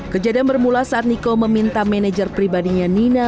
kejadian bermula saat niko meminta manajer pribadinya nina